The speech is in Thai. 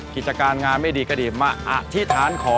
กิจการงานไม่ดีก็ดีมาอธิษฐานขอ